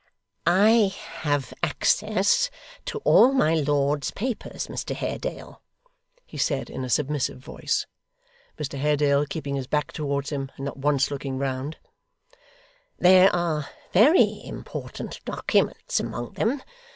'I have access to all my lord's papers, Mr Haredale,' he said, in a submissive voice: Mr Haredale keeping his back towards him, and not once looking round: 'there are very important documents among them.